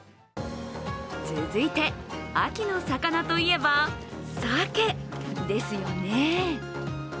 続いて、秋の魚といえば鮭ですよね。